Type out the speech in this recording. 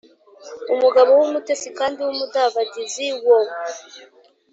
“Umugabo w’umutesi kandi w’umudabagizi wo